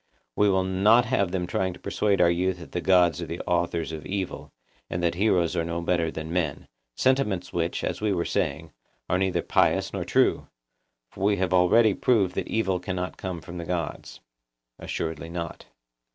We will not have them trying to persuade our youth that the gods are the authors of evil, and that heroes are no better than men—sentiments which, as we were saying, are neither pious nor true, for we have already proved that evil cannot come from the gods. Assuredly not.